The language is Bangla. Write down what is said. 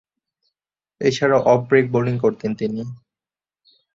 এছাড়াও অফ ব্রেক বোলিং করতেন তিনি।